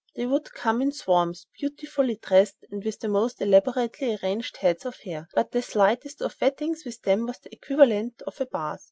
They would come in swarms, beautifully dressed, and with most elaborately arranged heads of hair, but the slightest of wettings with them was the equivalent of a bath.